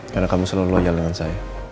karena kamu selalu loyal dengan saya